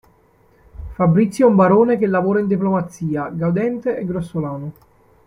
Fabrizio è un barone che lavora in diplomazia, gaudente e grossolano.